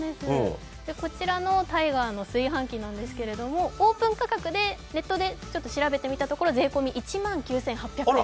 こちらのタイガーの炊飯器なんですけども、オープン価格でネットで調べてみたところ税込み１万９８００円。